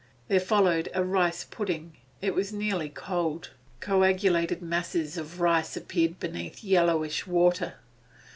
There followed a rice pudding; it was nearly cold; coagulated masses of rice appeared beneath yellowish water.